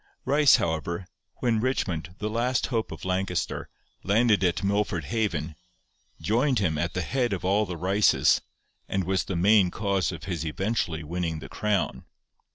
Ryce, however, when Richmond, the last hope of Lancaster, landed at Milford Haven, joined him at the head of 'all the Ryces,' and was the main cause of his eventually winning the crown.